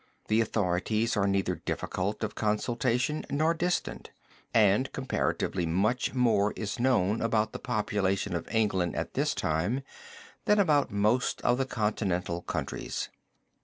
The authorities are neither difficult of consultation nor distant, and comparatively much more is known about the population of England at this time than about most of the continental countries.